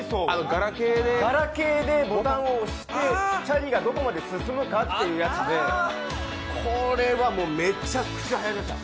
ガラケーでボタンを押してチャリがどこまで進むかというやつでこれはめちゃくちゃはやりました。